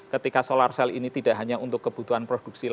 ketika solar cell ini tidak hanya untuk kebutuhan produksi